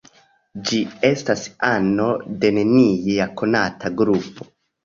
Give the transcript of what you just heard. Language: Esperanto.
Ĝi estas ano de nenia konata grupo.